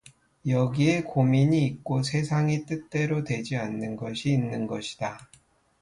여기에 고민이 있고 세상이 뜻대로 되지 않는것이 있는 것이다.